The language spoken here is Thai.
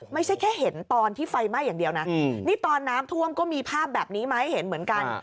ไม่ใช่แค่เห็นตอนที่ไฟไหม้อย่างเดียวนะนี่ตอนน้ำท่วมก็มีภาพแบบนี้มาให้เห็นเหมือนกัน